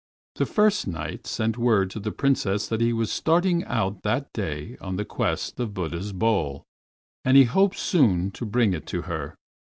The First Knight sent word to the Princess that he was starting out that day on the quest of Buddha's bowl, and he hoped soon to bring it to her.